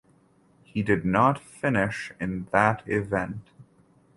He did not finish in that event.